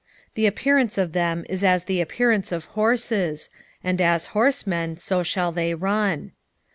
2:4 The appearance of them is as the appearance of horses; and as horsemen, so shall they run.